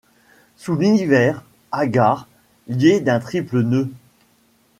Sous l’univers, hagard, lié d’un triple nœud